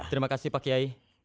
terima kasih pak kiai